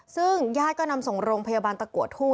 ซึ่งญาติก็นำส่งโรงพยาบาลตะกัวทูต